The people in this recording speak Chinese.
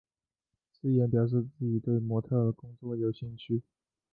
芝妍表示自己对模特儿工作有兴趣。